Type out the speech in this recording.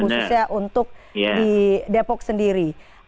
khususnya untuk di depok sendiri